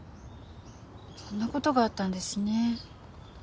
そんな事があったんですね。